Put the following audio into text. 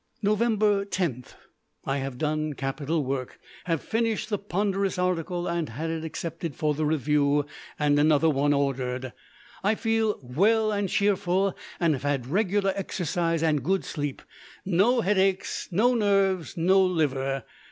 Nov. 10. I have done capital work; have finished the ponderous article and had it accepted for the Review, and another one ordered. I feel well and cheerful, and have had regular exercise and good sleep; no headaches, no nerves, no liver!